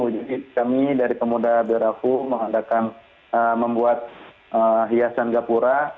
jadi kami dari pemuda berafu mengandalkan membuat hiasan gapura